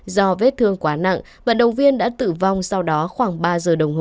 do vết thương quá nặng vận động viên đã tử vong sau đó khoảng ba giờ đồng hồ